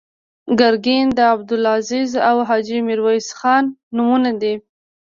ګرګین د عبدالعزیز او حاجي میرویس خان نومونه دي.